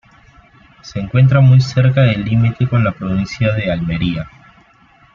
Se encuentra muy cerca del límite con la provincia de Almería.